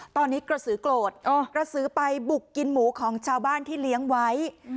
ตอนนี้กระสือโกรธกระสือไปบุกกินหมูของชาวบ้านที่เลี้ยงไว้